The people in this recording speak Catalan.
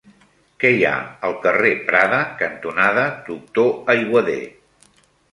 Què hi ha al carrer Prada cantonada Doctor Aiguader?